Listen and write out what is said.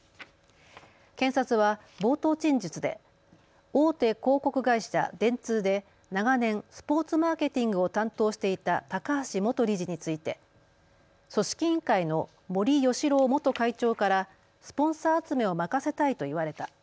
検察は冒頭陳述で大手広告会社、電通で長年スポーツマーケティングを担当していた高橋元理事について組織委員会の森喜朗元会長からスポンサー集めを任せたいと言われた。